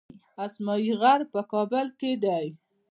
اسمايي غر په کابل کې دی